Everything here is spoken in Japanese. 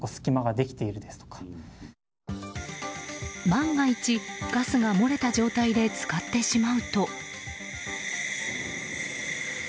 万が一、ガスが漏れた状態で使ってしまうと。